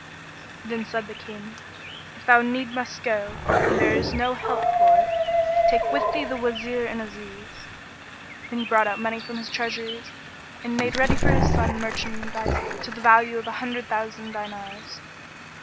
"[FN#11] Then said the King, "If thou need must go and there is no help for it, take with thee the Wazir and Aziz." Then he brought out money from his treasuries and made ready for his son merchandise to the value of an hundred thousand dinars.